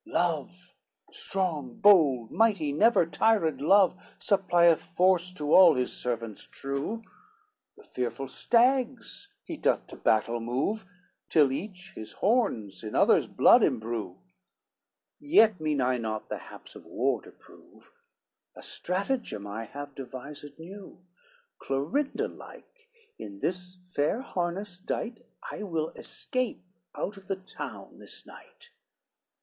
LXXXVII "Love, strong, bold, mighty never tired love, Supplieth force to all his servants true; The fearful stags he doth to battle move, Till each his horns in others' blood imbrue; Yet mean not I the haps of war to prove, A stratagem I have devised new, Clorinda like in this fair harness dight, I will escape out of the town this night.